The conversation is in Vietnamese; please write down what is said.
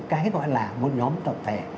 cái gọi là một nhóm tập thể